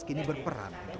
kini berperan untuk